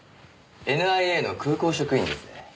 ＮＩＡの空港職員です。